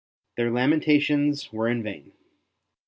Their lamentations were in vain.